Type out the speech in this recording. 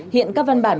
hiện các văn bản